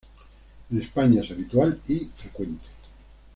En España es habitual y frecuente.